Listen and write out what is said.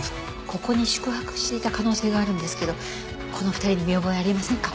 ここに宿泊していた可能性があるんですけどこの２人に見覚えありませんか？